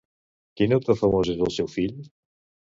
Quin autor famós és el seu fill?